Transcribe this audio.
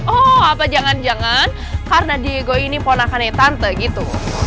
oh apa jangan jangan karena diego ini ponakannya tante gitu